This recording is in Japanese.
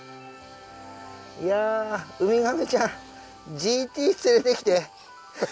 いやぁウミガメちゃんＧＴ連れてきて。